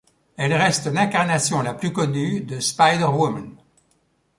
Elle reste l'incarnation la plus connue de Spider-Woman.